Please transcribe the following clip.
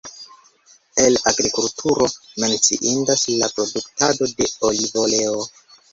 El agrikulturo menciindas la produktado de olivoleo.